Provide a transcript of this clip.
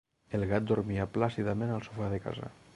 El gat dormia plàcidament al sofà de casa.